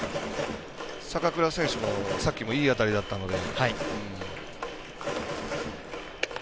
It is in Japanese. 坂倉選手もさっきいい当たりだったので。